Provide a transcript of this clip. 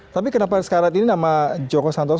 tapi kenapa sekarang ini nama joko santoso